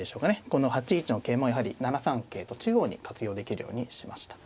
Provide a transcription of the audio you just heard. この８一の桂もやはり７三桂と中央に活用できるようにしました。